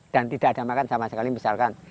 tidak ada makan sama sekali misalkan